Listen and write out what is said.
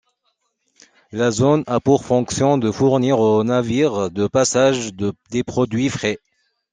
La zone a pour fonction de fournir aux navires de passage des produits frais.